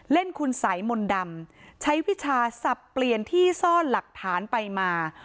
เล่นคุณสัยมนต์ดำใช้วิชาสับเปลี่ยนที่ซ่อนหลักฐานไปมา